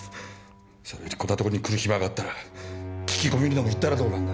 それよりこんなとこに来る暇があったら聞き込みにでも行ったらどうなんだ！